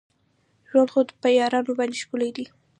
ژوند خو په یارانو باندې ښکلی دی.